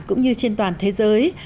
cũng như trên toàn thế giới